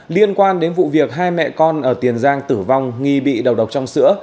liên quan đến vụ việc hai mẹ con ở tiền giang tử vong nghi bị đầu độc trong sữa